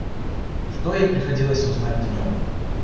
что ей приходилось узнать днем.